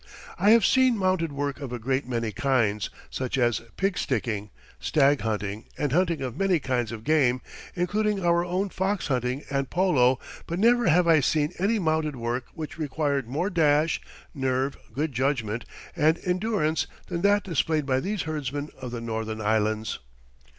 I have seen mounted work of a great many kinds, such as pig sticking, stag hunting, and hunting of many kinds of game, including our own fox hunting and polo, but never have I seen any mounted work which required more dash, nerve, good judgment and endurance than that displayed by these herdsmen of the northern islands."